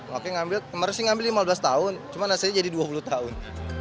makanya ngambil kemarin sih ngambil lima belas tahun cuma nasinya jadi dua puluh tahun